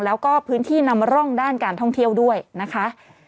แล้วก็พื้นที่นำร่องด้านการท่องเที่ยวด้วยนะคะ